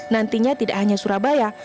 nantinya tidak hanya surabaya